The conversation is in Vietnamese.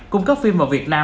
cung cấp phim vào việt nam